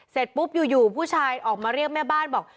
เสร็จปุ๊บอยู่ผู้ชายออกมาเรียกแม่บ้านบอก